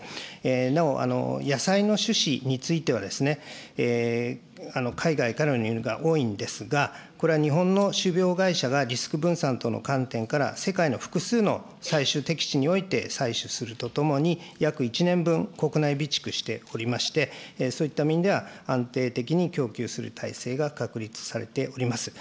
なお、野菜の種子については、海外からの輸入が多いんですが、これは日本の種苗会社がリスク分散との観点から、世界の複数の採集適地において採取するとともに、約１年分、国内備蓄しておりまして、そういった面では、安定的に供給する体制が確立されております。